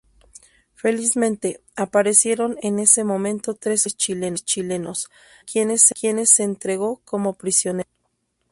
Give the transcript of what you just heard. Felizmente, aparecieron en ese momento tres oficiales chilenos, ante quienes se entregó como prisionero.